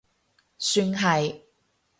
算係